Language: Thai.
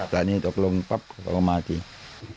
ตอนนี้ตกลงปั๊บออกมาจริง